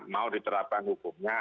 mau diterapkan hukumnya